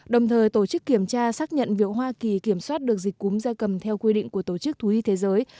đồng thời tổ chức kiểm tra xác nhận việc hoa kỳ kiểm soát được dịch cúm da cầm theo quy định của tổ chức thú y thế giới